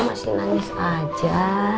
masih nangis aja